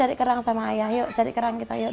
cari kerang sama ayah yuk cari kerang kita yuk